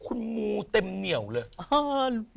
คุณมูเต็มเหนียวเลย